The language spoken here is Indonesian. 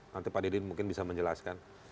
nanti pak didin mungkin bisa menjelaskan